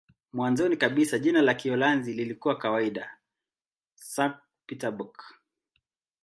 Mwanzoni kabisa jina la Kiholanzi lilikuwa kawaida "Sankt-Pieterburch".